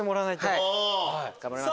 はい頑張ります。